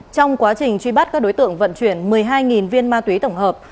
trong quá trình truy bắt các đối tượng vận chuyển một mươi hai viên ma túy tổng hợp